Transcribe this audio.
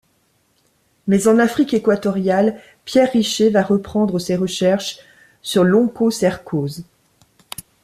Mais en Afrique équatoriale, Pierre Richet va reprendre ses recherches sur l'onchocercose.